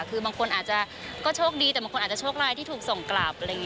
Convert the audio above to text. คือบางคนอาจจะโชคดีแต่บางคนอาจจะโชคลายที่ถูกส่งกลับ